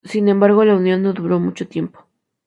Sin embargo, la unión no duró mucho tiempo.